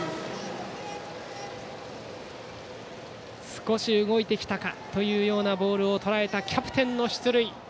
少し動いてきたかというようなボールをとらえたキャプテンの出塁。